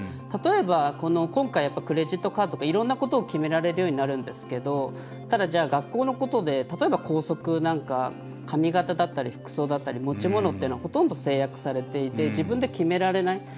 例えば今回クレジットカードとかいろんなことを決められるようになるんですけどただ、じゃあ、学校のことで例えば、校則なんか髪形だったり服装だったり持ち物っていうのはほとんど制約されていて自分で決められない。